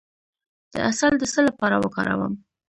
د عسل د څه لپاره وکاروم؟